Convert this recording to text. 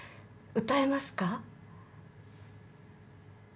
歌えますか？